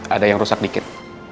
ada yang rusak dikit